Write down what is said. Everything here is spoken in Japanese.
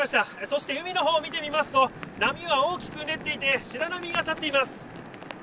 そして海のほうを見てみますと、波は大きくうねっていて、白波が立っています。